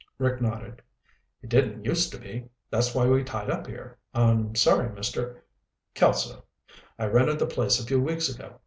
Rick nodded. "It didn't use to be. That's why we tied up here. I'm sorry, Mr...." "Kelso. I rented the place a few weeks ago.